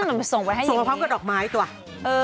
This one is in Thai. มันมาส่งไว้ให้อย่างนี้ส่งไปพร้อมกับดอกไม้ก่อน